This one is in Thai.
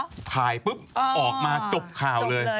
ตัวช่วงสุดท้ายปุ๊บออกมาจบข่าวเลย